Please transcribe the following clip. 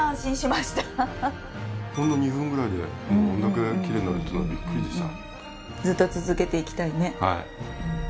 ほんの２分ぐらいでこれだけきれいになるとはビックリでした。